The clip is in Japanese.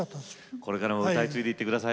これからも歌い継いでいって下さい。